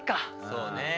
そうね。